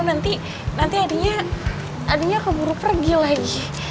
nanti nantinya keburu pergi lagi